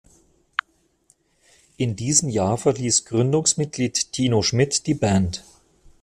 In diesem Jahr verließ Gründungsmitglied Tino Schmidt die Band.